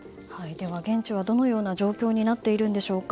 現地はどのような状況になっているんでしょうか。